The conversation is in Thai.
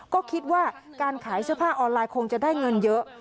ก็คิดว่าการขายเสื้อผ้าออนไลน์คงจะได้เงินเยอะ